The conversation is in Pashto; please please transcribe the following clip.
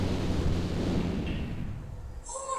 څوک شاګرد ته د موضوع جوړښت په ګوته کوي؟